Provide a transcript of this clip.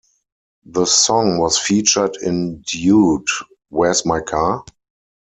The song was featured in Dude, Where's My Car?